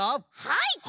はい！